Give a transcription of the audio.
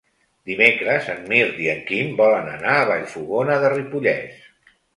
Dimecres en Mirt i en Quim volen anar a Vallfogona de Ripollès.